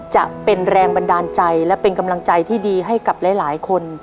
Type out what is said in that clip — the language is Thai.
จะเป็นแรงบันดาลใจและเป็นกำลังใจที่ดีให้กับหลายคน